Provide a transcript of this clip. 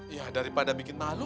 iya daripada bikin malu